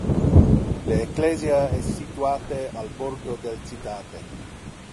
Le ecclesia es situate al bordo del citate.